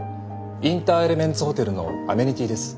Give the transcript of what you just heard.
インターエレメンツホテルのアメニティです。